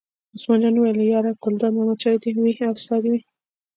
عثمان جان وویل: یار ګلداد ماما چای دې وي او ستا دې وي.